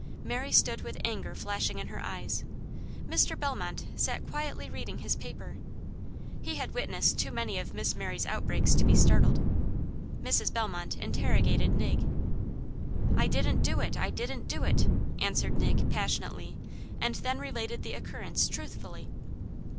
Mary stood with anger flashing in her eyes. Mr. Bellmont sat quietly reading his paper. He had witnessed too many of Miss Mary's outbreaks to be startled. Mrs. Bellmont interrogated Nig. "I didn't do it! I didn't do it!" answered Nig, passionately, and then related the occurrence truthfully.